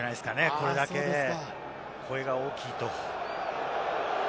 これだけ声が大きいと。